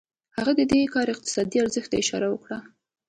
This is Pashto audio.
هغه د دې کار اقتصادي ارزښت ته اشاره وکړه